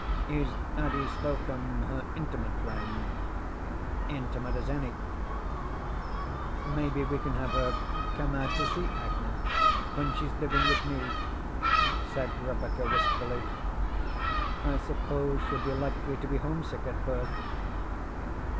"Is Addie Slocum her intimate friend?" "Intimate as any." "Maybe we can have her come out to see Agnes when she's living with me," said Rebecca wistfully. "I suppose she'll be likely to be homesick at first."